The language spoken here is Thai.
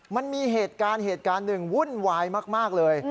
มันมีเหตุการณ์หนึ่งวุ่นวายมากเลย